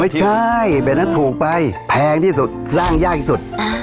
ไม่ใช่แบบนั้นถูกไปแพงที่สุดสร้างยากสุด